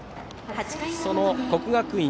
その国学院